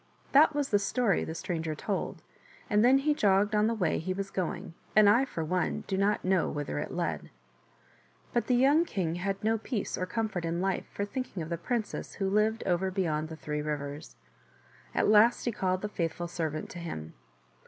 That was the story the stranger told, and then he jogged on the way he was going, and I, for one, do not know whither it led. But the young king had no peace or comfort in life for thinking of the princess who lived over beyond the three rivers. At last he called the faithful servant to him.